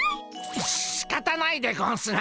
しかたないでゴンスな。